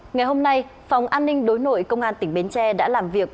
ngày hôm nay phòng an ninh đối nội công an tỉnh bến tre đã làm việc